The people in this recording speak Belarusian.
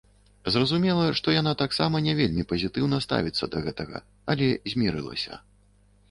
Зразумела, што яна таксама не вельмі пазітыўна ставіцца да гэтага, але змірылася.